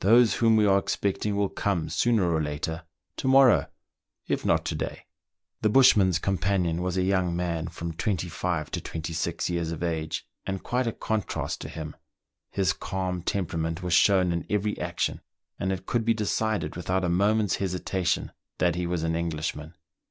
Those whom we are expecting will come sooner or later — to morrow, it not to day." The bushman's companion was a young man, from twenty five to twenty six years of age, and quite a contrast to him. His calm temperament was shown in every action ; and it could be decided without a moment's hesitation that he was an Englishman.